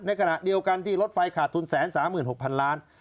ในขณะเดียวกันที่รถไฟขาดทุน๑๓๖๐๐๐ล้าน